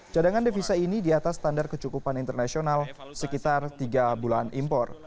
cadangan devisa ini di atas standar kecukupan internasional sekitar tiga bulan impor